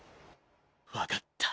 分かった。